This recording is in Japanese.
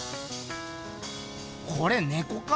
これネコか？